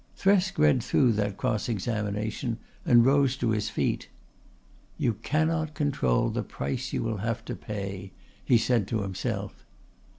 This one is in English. Thresk read through that cross examination and rose to his feet. "You cannot control the price you will have to pay," he said to himself.